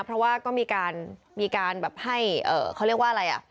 เพราะว่าก็มีการแบบให้เขาเรียกว่าอะไรอ่ะ